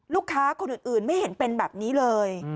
ลูกค้าคนอื่นไม่เห็นเป็นแบบนี้เลย